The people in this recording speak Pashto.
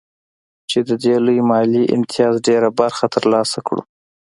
چې د دې لوی مالي امتياز ډېره برخه ترلاسه کړو